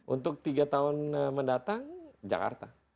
untuk tiga tahun mendatang jakarta